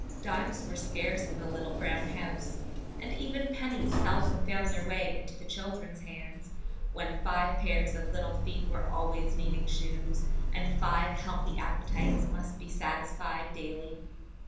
Dimes were scarce in the little brown house, and even pennies seldom found their way into the children's hands when five pairs of little feet were always needing shoes, and five healthy appetites must be satisfied daily.